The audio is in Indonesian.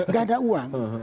gak ada uang